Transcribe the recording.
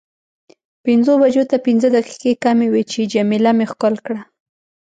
پنځو بجو ته پنځه دقیقې کمې وې چې جميله مې ښکل کړه.